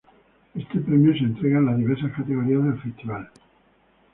Este premio se entrega en las diversas categorías del festival.